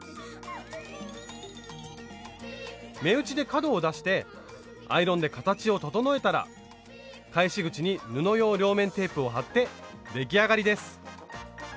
目打ちで角を出してアイロンで形を整えたら返し口に布用両面テープを貼って出来上がりです。